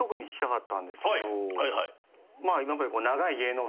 今まで。